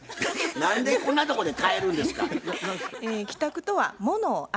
何でこんなとこで帰るんですか。